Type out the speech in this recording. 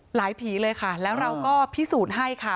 ผีเลยค่ะแล้วเราก็พิสูจน์ให้ค่ะ